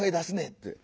って。